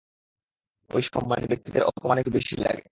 ওই, সম্মানি ব্যাক্তিদের অপমান একটু বেশি লাগে।